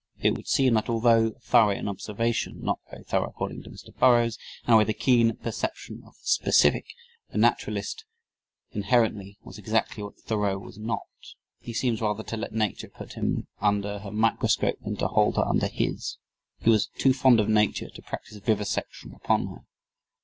It would seem that although thorough in observation (not very thorough according to Mr. Burroughs) and with a keen perception of the specific, a naturalist inherently was exactly what Thoreau was not. He seems rather to let Nature put him under her microscope than to hold her under his. He was too fond of Nature to practice vivisection upon her.